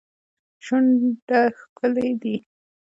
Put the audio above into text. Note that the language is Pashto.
شونډه ښکلې دي.